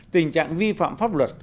tình trạng vi phạm pháp luật